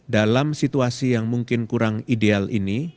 dalam situasi yang mungkin kurang ideal ini